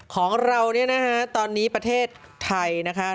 ของเราเนี่ยนะคะตอนนี้ประเทศไทยนะคะ